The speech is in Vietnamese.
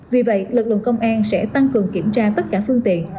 vì vậy lực lượng công an sẽ tăng cường kiểm tra tất cả phương tiện